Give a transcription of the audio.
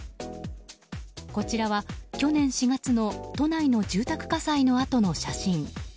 こちらは去年４月の都内の住宅火災のあとの写真。